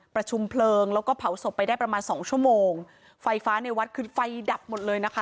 ประชุมเพลิงแล้วก็เผาศพไปได้ประมาณสองชั่วโมงไฟฟ้าในวัดคือไฟดับหมดเลยนะคะ